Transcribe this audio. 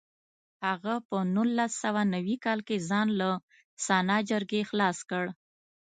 هغه په نولس سوه نوي کال کې ځان له سنا جرګې خلاص کړ.